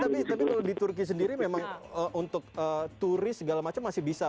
tapi kalau di turki sendiri memang untuk turis segala macam masih bisa